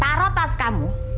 taruh tas kamu